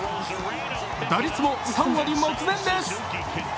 打率も３割目前です。